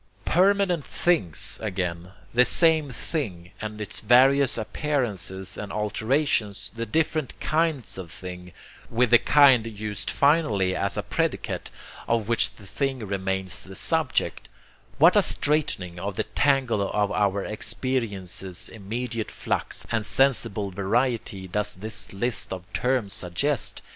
Permanent 'things' again; the 'same' thing and its various 'appearances' and 'alterations'; the different 'kinds' of thing; with the 'kind' used finally as a 'predicate,' of which the thing remains the 'subject' what a straightening of the tangle of our experience's immediate flux and sensible variety does this list of terms suggest!